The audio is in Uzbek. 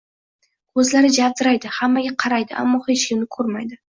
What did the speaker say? Ko‘zlari javdiraydi, hammaga qaraydi, ammo hech kimni ko‘rmaydi